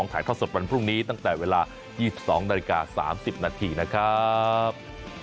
ถ่ายทอดสดวันพรุ่งนี้ตั้งแต่เวลา๒๒นาฬิกา๓๐นาทีนะครับ